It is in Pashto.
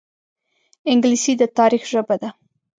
انګلیسي د تاریخ ژبه ده